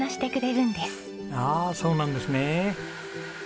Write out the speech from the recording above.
ああそうなんですね。